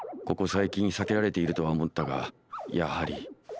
ここ最近避けられているとは思ったがやはり。